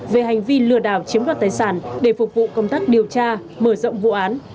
về hành vi lừa đảo chiếm đoạt tài sản để phục vụ công tác điều tra mở rộng vụ án